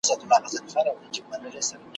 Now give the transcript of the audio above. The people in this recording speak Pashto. ماته مه راښیه لاري تر ساحل پوری د تللو ,